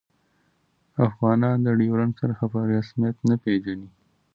افغانان د ډیورنډ کرښه په رسمیت نه پيژني